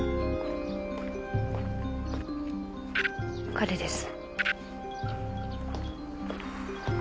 彼です。